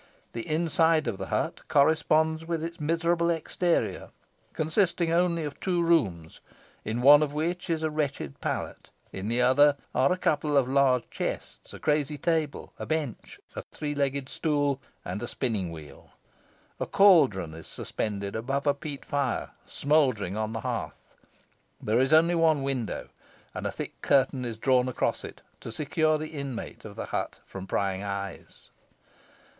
The inside of the hut corresponds with its miserable exterior, consisting only of two rooms, in one of which is a wretched pallet; in the other are a couple of large chests, a crazy table, a bench, a three legged stool, and a spinning wheel. A caldron is suspended above a peat fire, smouldering on the hearth. There is only one window, and a thick curtain is drawn across it, to secure the inmate of the hut from prying eyes.